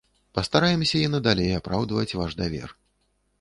Пастараемся і надалей апраўдваць ваш давер.